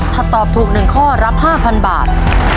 ถ้าตอบถูก๑ข้อรับ๕๐๐บาท